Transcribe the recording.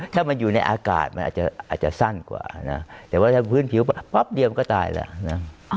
ถ้ามันอยู่ในอากาศมันอาจจะสั้นกว่านะแต่ว่าถ้าพื้นผิวปั๊บเดียวก็ตายแล้วนะ